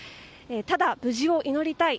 ただ無事を祈りたい。